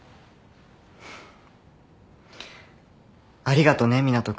ありがとね湊斗